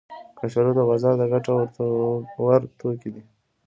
کچالو د بازار د ګټه ور توکي دي